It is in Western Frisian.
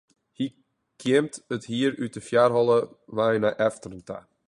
Hy kjimt it hier út de foarholle wei nei efteren ta.